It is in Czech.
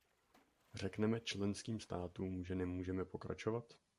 Řekneme členským státům, že nemůžeme pokračovat?